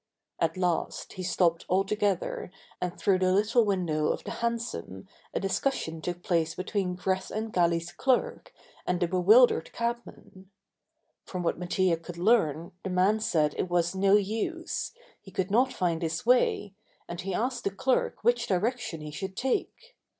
At last he stopped altogether and through the little window of the hansom a discussion took place between Greth & Galley's clerk and the bewildered cabman. From what Mattia could learn the man said that it was no use, he could not find his way, and he asked the clerk which direction he should take.